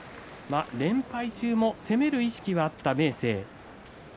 連敗中も攻める意識はあった明生。